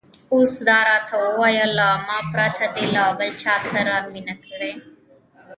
اوس دا راته ووایه، له ما پرته دې له بل چا سره مینه کړې؟